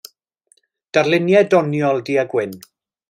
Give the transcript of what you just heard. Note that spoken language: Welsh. Darluniau doniol du-a-gwyn.